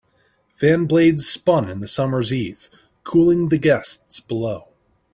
Fan blades spun in the summer's eve, cooling the guests below.